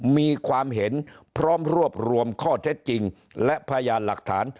มีความเห็นพร้อมรวบรวมข้อเท็จจริงและพยานหลักฐาน